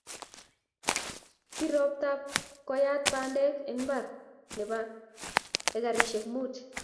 Pir robtab koyat pandek en imbar ne bo ekarishek munt